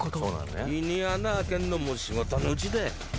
胃に穴開けんのも仕事のうちだよ。